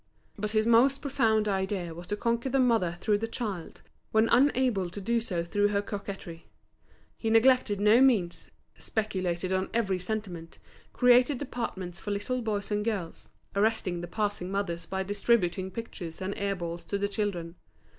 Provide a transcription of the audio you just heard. But his most profound idea was to conquer the mother through the child, when unable to do so through her coquetry; he neglected no means, speculated on every sentiment, created departments for little boys and girls, arresting the passing mothers by distributing pictures and airballs to the children.